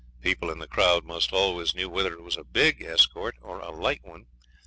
People in the crowd 'most always knew whether it was a 'big' escort or a 'light' one.